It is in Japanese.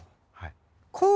はい。